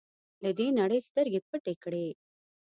له دې نړۍ سترګې پټې کړې.